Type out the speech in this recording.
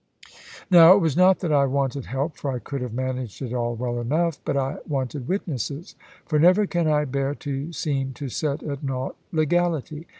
Now it was not that I wanted help, for I could have managed it all well enough; but I wanted witnesses. For never can I bear to seem to set at nought legality.